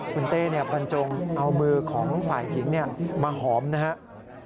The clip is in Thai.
คุณเต้บรรจงเอามือของฝ่ายหญิงมาหอมนะครับ